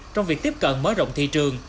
trong việc tiếp cận mở rộng thị trường